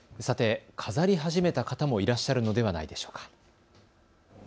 さて飾り始めた方もいらっしゃるのではないでしょうか。